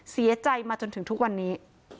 เสียใจมาจนถึงทุกวันนี้